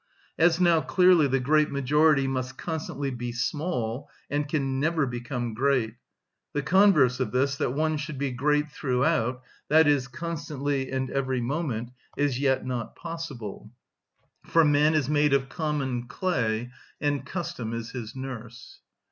As now clearly the great majority must constantly be small, and can never become great, the converse of this, that one should be great throughout, that is, constantly and every moment, is yet not possible— "For man is made of common clay, And custom is his nurse."